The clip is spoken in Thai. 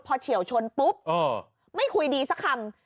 พอเฉียวชนปุ๊บไม่คุยดีสักคำ